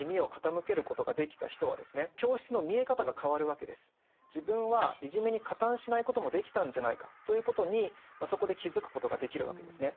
例えばところが自分はいじめに加担しないこともできたんじゃないかということにそこで気付くことができるわけですね。